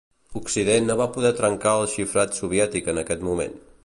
Occident no va poder trencar el xifrat soviètic en aquest moment.